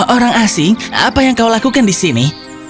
orang asing apa yang kau lakukan di sini